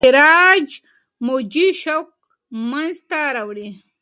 دغه انفجار موجي شوک منځته راوړي.